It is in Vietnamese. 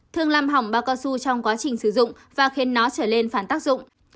thường làm hỏng ba cao su trong quá trình sử dụng và khiến nó trở lên phản tác dụng